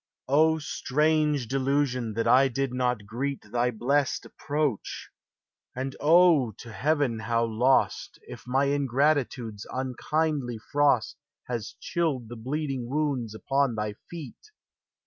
O, strange delusion, that I did not greet Thy blest approach! and, O, to heaven how lost, If my ingratitude's unkindly frost Has chilled the bleeding wounds upon Thy feet!